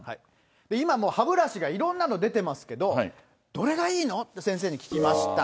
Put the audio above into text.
今、歯ブラシ、いろんなの出てますけど、どれがいいの？って先生に聞きました。